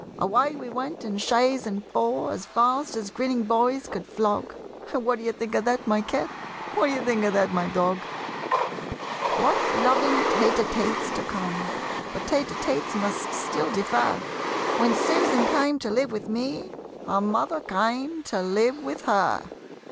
Away we went in chaise and four, As fast as grinning boys could flog What d'ye think of that, my Cat? What d'ye think of that, my Dog? What loving tête à têtes to come! But tête à têtes must still defer! When Susan came to live with me, Her mother came to live with her!